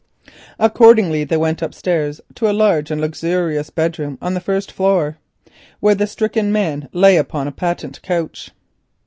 Accordingly they went upstairs to a large and luxurious bedroom on the first floor, where the stricken man lay upon a patent couch.